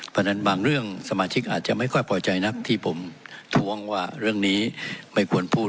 เพราะฉะนั้นบางเรื่องสมาชิกอาจจะไม่ค่อยพอใจนักที่ผมท้วงว่าเรื่องนี้ไม่ควรพูด